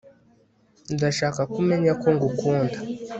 ndashaka ko umenya ko ngukunda